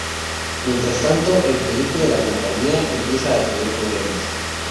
Mientras tanto, el proyecto de la compañía empieza a tener problemas.